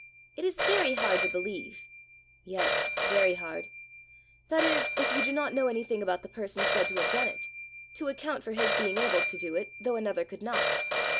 "It is very hard to believe." "Yes, very hard that is, if you do not know anything about the person said to have done it, to account for his being able to do it though another could not.